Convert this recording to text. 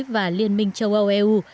và liên minh châu âu eu